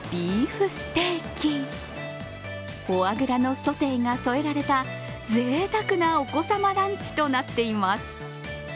フォアグラのソテーが添えられたぜいたくなお子さまランチとなっています。